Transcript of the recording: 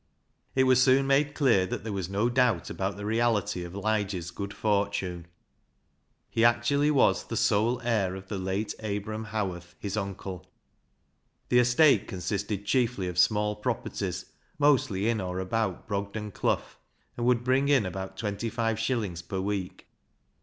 It was soon made clear that there was no doubt about the reality of Lige's good fortune. He actually was sole heir of the late Abram Howarth, his uncle. The estate consisted chiefly of small properties, mostly in or about Brogden Clough, and would bring in about twenty five shillings per week.